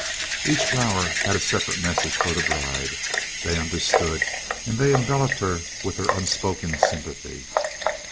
Each flower had a separate message for the bride. They understood, and they enveloped her with their unspoken sympathy.